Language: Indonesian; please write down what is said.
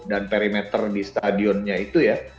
dan perimeter di stadionnya itu ya